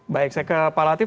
baik saya ke pak latif